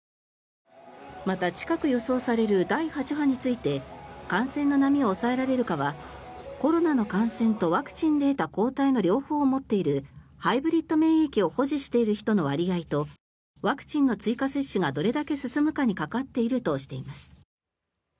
また、近く予想される第８波について感染の波を抑えられるかはコロナの感染とワクチンで得た抗体の両方を持っているハイブリッド免疫を保持している人の割合とワクチンの追加接種がどれだけ進むかにかかっているとしています。